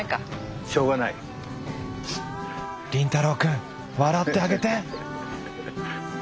凛太郎くん笑ってあげて！